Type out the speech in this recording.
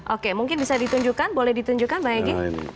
oke mungkin bisa ditunjukkan boleh ditunjukkan mbak egy